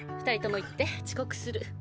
２人とも行って遅刻する。